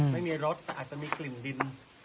ไม่มีรสแต่อาจจะมีกลิ่นดิน